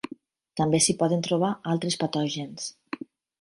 També s'hi poden trobar altres patògens.